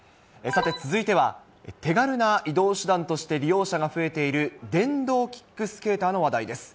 さて、続いては、手軽な移動手段として利用者が増えている電動キックスケーターの話題です。